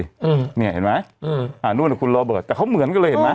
อืมเนี่ยเห็นไหมอืมอ่านู่นคุณโรเบิร์ตแต่เขาเหมือนกันเลยเห็นไหม